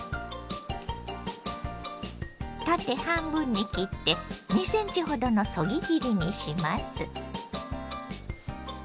縦半分に切って２ｃｍほどのそぎ切りにします。